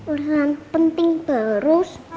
urusan penting terus